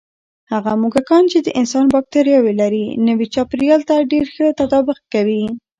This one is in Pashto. هغه موږکان چې د انسان بکتریاوې لري، نوي چاپېریال ته ښه تطابق کوي.